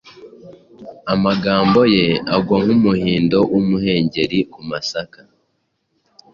amagambo ye agwa nkumuhindo wumuhengeri kumasaka